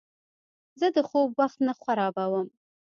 زه د خوب وخت نه خرابوم.